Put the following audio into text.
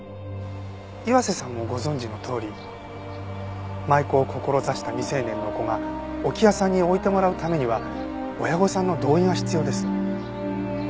岩瀬さんもご存じのとおり舞妓を志した未成年の子が置屋さんに置いてもらうためには親御さんの同意が必要です。